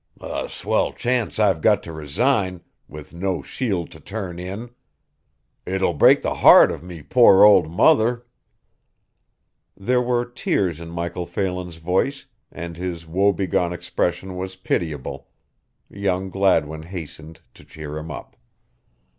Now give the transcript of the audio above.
"A swell chance I've got to resign with no shield to turn in. It'll break the heart of me poor ould mother." There were tears in Michael Phelan's voice and his woe begone expression was pitiable. Young Gladwin hastened to cheer him up.